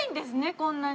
こんなに。